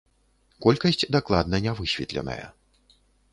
Колькасць дакладна не высветленая.